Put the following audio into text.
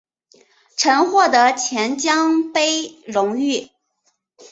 曾获得钱江杯荣誉。